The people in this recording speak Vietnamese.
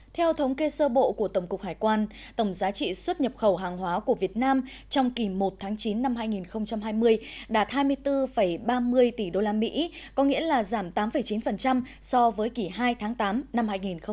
theo thống kê sơ bộ của tổng cục hải quan tổng giá trị xuất nhập khẩu hàng hóa của việt nam trong kỳ một tháng chín năm hai nghìn hai mươi đạt hai mươi bốn ba mươi tỷ usd có nghĩa là giảm tám chín so với kỷ hai tháng tám năm hai nghìn hai mươi